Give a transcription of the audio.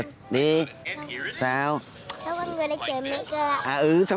sao con người lại chờ mẹ con